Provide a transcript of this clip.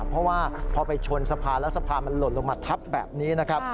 เพราะว่าพอไปชนสะพานแล้วสะพานมันหล่นลงมาทับแบบนี้นะครับ